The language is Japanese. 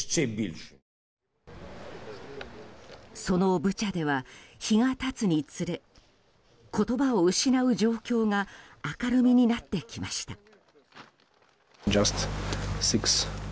そのブチャでは日が経つにつれ言葉を失う状況が明るみになってきました。